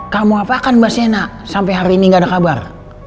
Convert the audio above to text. kamu apakan mba sena sampe hari ini ga ada kabar